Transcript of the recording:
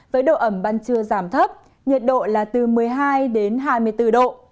với độ ẩm ban trưa giảm thấp nhiệt độ là từ một mươi hai đến hai mươi bốn độ